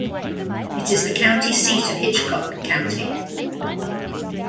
It is the county seat of Hitchcock County.